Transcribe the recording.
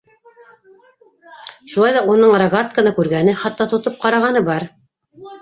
Шулай ҙа уның рогатканы күргәне, хатта тотоп ҡарағаны бар.